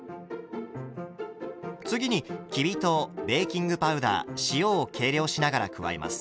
次にきび糖ベーキングパウダー塩を計量しながら加えます。